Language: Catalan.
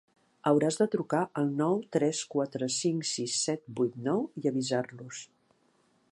Hauràs de trucar al nou tres quatre cinc sis set vuit nou i avisar-los.